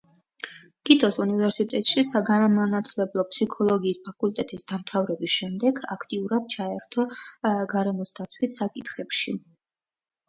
კიტოს უნივერსიტეტში საგანმანათლებლო ფსიქოლოგიის ფაკულტეტის დამთავრების შემდეგ, აქტიურად ჩაერთო გარემოსდაცვით საკითხებში.